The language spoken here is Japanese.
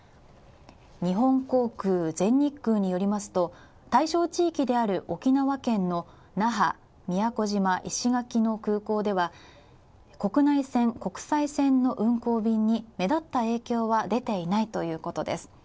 日本航空、全日空によりますと対象地域である沖縄県の那覇、宮古島、石垣の空港では国内線、国際線の運航便に目立った影響は出ていないということです。